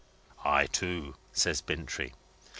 '" "I, too!" says Bintrey.